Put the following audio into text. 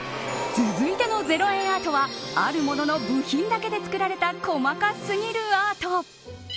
続いての０円アートはある物の部品だけで作られた細かすぎるアート。